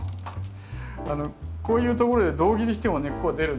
こういうところで胴切りしても根っこは出るんですよ。